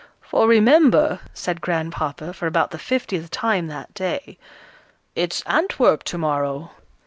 "For remember," said Grandpapa, for about the fiftieth time that day, "it's Antwerp to morrow!"